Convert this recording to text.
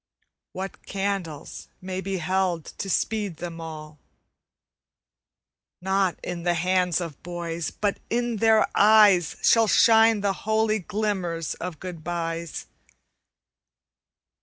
What candles may be held to speed them all? Not in the hands of boys, but in their eyes Shall shine the holy glimmers of good byes.